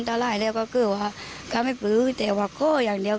ถ้าจมูดว่าไม่รักกันแล้ว